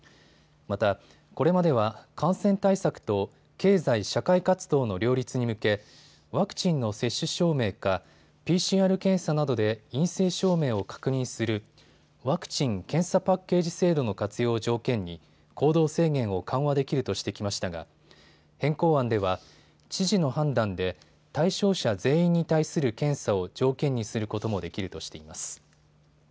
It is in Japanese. また、これまでは感染対策と経済社会活動の両立に向けワクチンの接種証明かＰＣＲ検査などで陰性証明を確認するワクチン・検査パッケージ制度の活用を条件に行動制限を緩和できるとしてきましたが変更案では、知事の判断で対象者全員に対する検査を条件にすることもできるとしています。